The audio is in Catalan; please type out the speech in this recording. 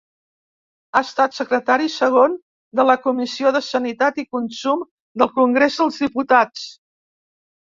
Ha estat secretari segon de la Comissió de Sanitat i Consum del Congrés dels Diputats.